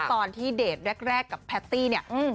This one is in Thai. ตอนที่เดทแรกกับแพตตี้เนี่ย